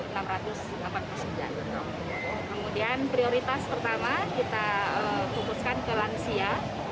kemudian prioritas pertama kita fokuskan ke lansia